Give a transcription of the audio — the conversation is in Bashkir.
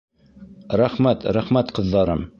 Рәхмәт, рәхмәт, ҡыҙҙарым!